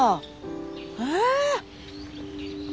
え？